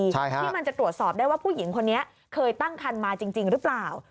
ที่มันจะตรวจสอบได้ว่าผู้หญิงคนนี้เคยตั้งคันมาจริงหรือเปล่า